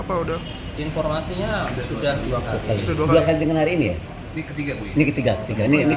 apa udah informasinya sudah dua kali dua kali dengan hari ini ketiga ketiga ketiga ini ke